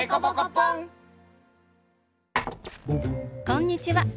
こんにちは。